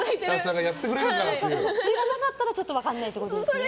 それがなかったらちょっと分からないってことですね。